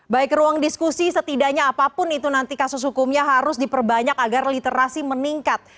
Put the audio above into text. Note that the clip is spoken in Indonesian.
baik ruang diskusi setidaknya apapun itu nanti kasus hukumnya harus diperbanyak agar literasi meningkat